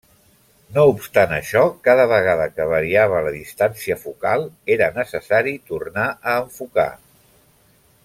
No obstant això cada vegada que variava la distància focal era necessari tornar a enfocar.